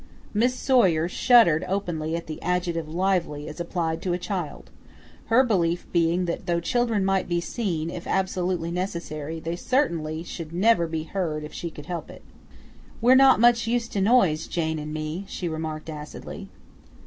Miss Sawyer shuddered openly at the adjective "lively" as applied to a child; her belief being that though children might be seen, if absolutely necessary, they certainly should never be heard if she could help it. "We're not much used to noise, Jane and me," she remarked acidly.